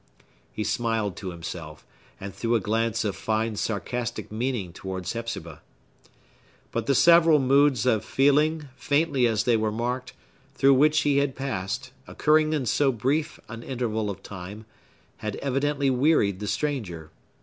He smiled to himself, and threw a glance of fine sarcastic meaning towards Hepzibah. But the several moods of feeling, faintly as they were marked, through which he had passed, occurring in so brief an interval of time, had evidently wearied the stranger.